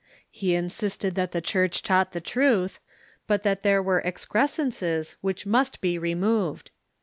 He insisted that the Church taught the truth, but that there were excrescences which must be re moved.